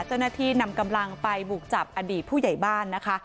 เจ้าหน้าที่นำกำลังไปบุกจับอดีตผู้ใหญ่บ้านนะคะ